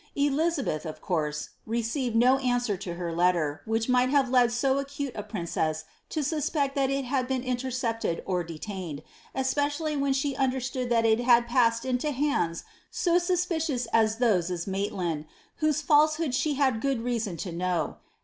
Elizabeth, of C'.'urse. received no answer to her letter, which might have led so acute 1 princess to suspect that it had been intercepted or detained, especially vhen she understood that it had passed into hands so suspicious as :h<«»e of Maitland, whose falsehood she had good reason to know.